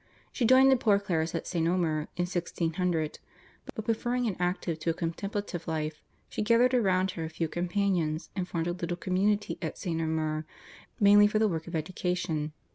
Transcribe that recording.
She joined the Poor Clares at St. Omer in 1600, but, preferring an active to a contemplative life, she gathered around her a few companions, and formed a little community at St. Omer mainly for the work of education.